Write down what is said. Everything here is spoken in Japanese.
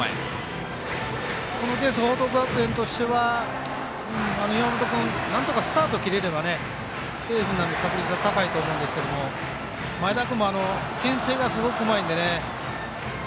このケース報徳学園としては、山増君なんとかスタート切れればセーフになる確率高いと思うんですけど前田君もけん制がすごくうまいんで。